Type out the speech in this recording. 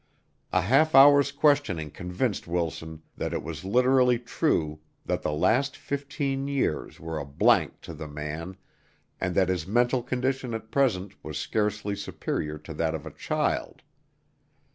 A half hour's questioning convinced Wilson that it was literally true that the last fifteen years were a blank to the man and that his mental condition at present was scarcely superior to that of a child.